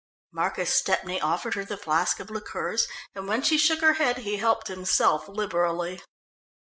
Marcus Stepney offered her the flask of liqueurs, and when she shook her head, he helped himself liberally.